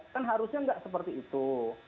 kan harusnya nggak seperti itu